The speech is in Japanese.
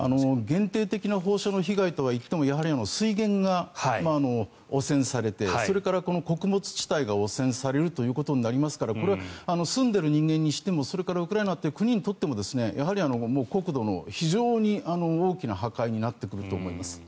限定的な放射能被害とはいっても水源が汚染されてそれから穀物地帯が汚染されることになりますからこれは住んでいる人間にしてもウクライナという国にとってもやはり、国土の非常に大きな破壊になってくると思います。